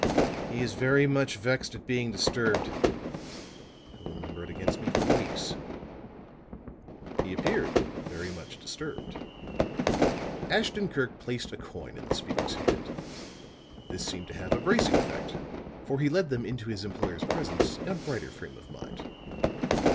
"He is very much vexed at being disturbed. He'll remember it against me for weeks." He appeared very much disturbed. Ashton Kirk placed a coin in the speaker's hand; this seemed to have a bracing effect, for he led them into his employer's presence in a brighter frame of mind.